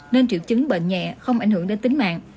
nên triệu chứng bệnh nhẹ không ảnh hưởng đến tính mạng